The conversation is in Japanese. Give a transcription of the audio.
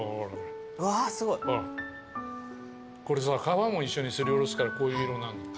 皮も一緒にすりおろすからこういう色になるの。